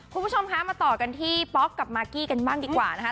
คุณผู้ชมคะมาต่อกันที่ป๊อกกับมากกี้กันบ้างดีกว่านะคะ